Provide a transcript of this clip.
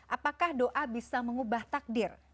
apakah doa bisa mengubah takdir